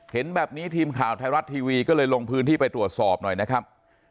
เห็นแบบนี้ทีมข่าวไทยรัฐทีวีก็เลยลงพื้นที่ไปตรวจสอบหน่อยนะครับ